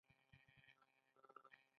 آیا ایرانیان فیروزه نه خوښوي؟